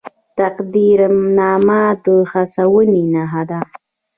تقدیرنامه د هڅونې نښه ده